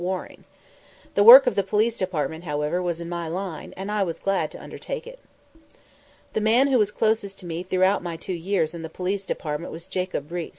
Waring. The work of the Police Department, however, was in my line, and I was glad to undertake it. The man who was closest to me throughout my two years in the Police Department was Jacob Riis.